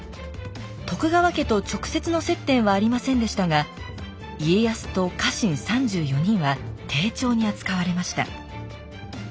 徳川家と直接の接点はありませんでしたが家康と家臣３４人は丁重に扱われました。